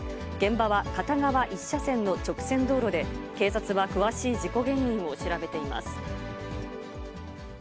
現場は片側１車線の直線道路で、警察は詳しい事故原因を調べています。